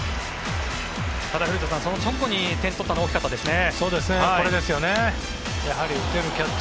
ただ、古田さんその直後に点を取ったのは大きかったですね。